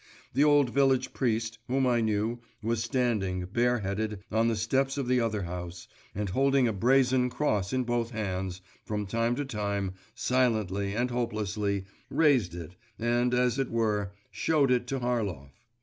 The old village priest, whom I knew, was standing, bareheaded, on the steps of the other house, and holding a brazen cross in both hands, from time to time, silently and hopelessly, raised it, and, as it were, showed it to Harlov.